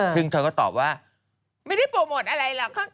ซึ่งเธอก็ตอบว่าไม่ได้โปรโมทอะไรหรอก